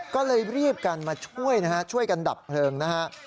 ก็เลยรีบกันมาช่วยกันดับเพลิงนะครับ